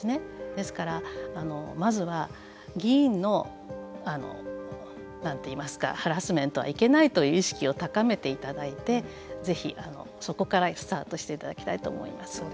ですから、まずは議員のハラスメントはいけないという意識を高めていただいてぜひ、そこからスタートしていただきたいと思います。